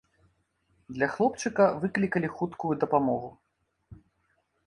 Для хлопчыка выклікалі хуткую дапамогу.